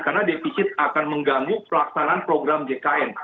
karena defisit akan mengganggu pelaksanaan program jkn